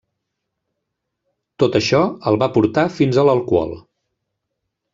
Tot això el va portar fins a l'alcohol.